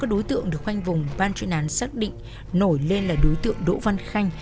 đối tượng được khoanh vùng ban chuyên án xác định nổi lên là đối tượng đỗ văn khanh